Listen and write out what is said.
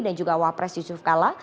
dan juga wak pres yusuf kalla